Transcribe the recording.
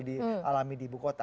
di alami di ibu kota